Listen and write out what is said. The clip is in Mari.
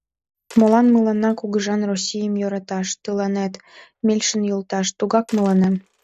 Молан мыланна кугыжан Российым йӧраташ, — тыланет, Мельшин йолташ, тугак мыланем?